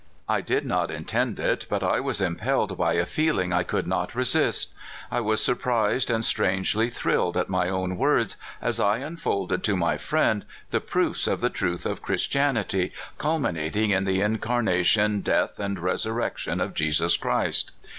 "I did not intend it, but I was impelled by a feeling I could not resist. I was surprised and strangely thrilled at my own words as I unfolded to my friend the proofs of the truth of Christian ity, culminating in the incarnation, death, and resurrection, of Jesus Christ.